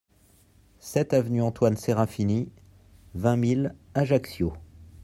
sept avenue Antoine Serafini, vingt mille Ajaccio